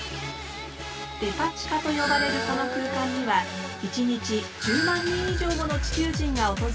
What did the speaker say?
デパ地下と呼ばれるこの空間には１日１０万人以上もの地球人が訪れることも。